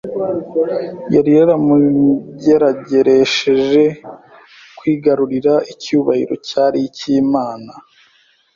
yari yaramugerageresheje kwigarurira icyubahiro cyari icy’Imana.